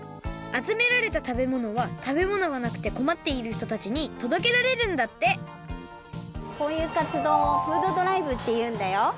あつめられた食べ物は食べ物がなくてこまっているひとたちにとどけられるんだってこういうかつどうをフードドライブっていうんだよ。